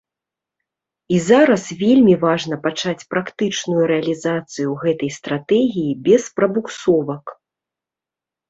І зараз вельмі важна пачаць практычную рэалізацыю гэтай стратэгіі без прабуксовак.